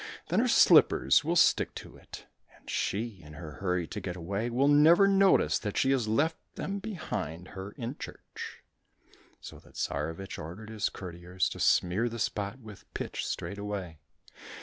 Then her slippers will stick to it, and she, in her hurry to get away, will never notice that she has left them behind her in church." — So the Tsarevich ordered his courtiers to smear the spot with pitch straightway.